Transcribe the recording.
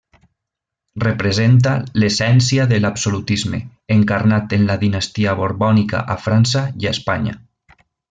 Representa l'essència de l'absolutisme, encarnat en la dinastia borbònica a França i a Espanya.